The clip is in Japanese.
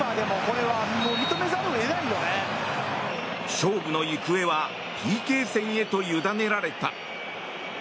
勝負の行方はＰＫ戦へと委ねられた。